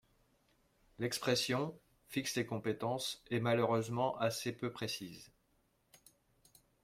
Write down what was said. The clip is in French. L’expression, fixent les compétences, est malheureusement assez peu précise.